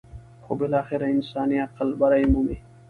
خو بالاخره انساني عقل برۍ مومي.